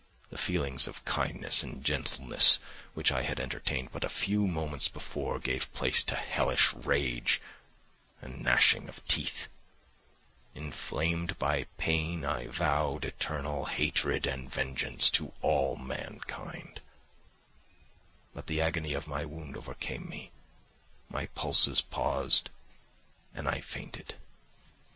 The feelings of kindness and gentleness which I had entertained but a few moments before gave place to hellish rage and gnashing of teeth. Inflamed by pain, I vowed eternal hatred and vengeance to all mankind. But the agony of my wound overcame me; my pulses paused, and I fainted.